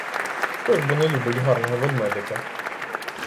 Хто ж бо не любить гарного ведмедика?!